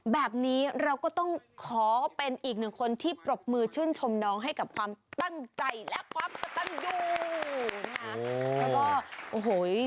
แบบนี้เราก็ต้องขอเป็นอีกหนึ่งคนที่ปรบมือชื่นชมน้องให้กับความตั้งใจและความกระตันอยู่นะคะ